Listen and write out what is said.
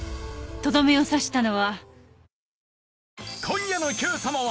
とどめを刺したのは。